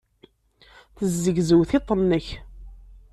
Tezzegzew tiṭ-nnek.